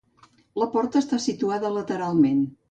La porta està situada lateralment.